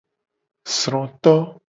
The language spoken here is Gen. Sroto.